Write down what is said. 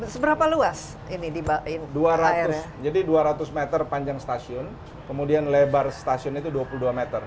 seberapa luas ini dua ratus jadi dua ratus meter panjang stasiun kemudian lebar stasiun itu dua puluh dua meter